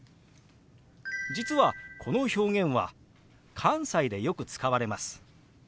実はこの表現は関西でよく使われます。